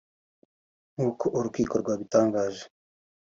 nk’uko urukiko rwabitangaje